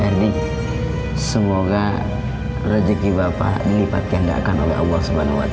erdi semoga rezeki bapak dilipatkan nggak akan oleh allah swt